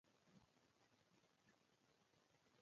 ماته د خلکو ټېل وهل مناسب کار ښکاره نه شو.